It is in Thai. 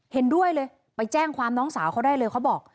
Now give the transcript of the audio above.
เห็นด้วยเลยไปแจ้งความน้องสาวเขาได้เลยเขาบอก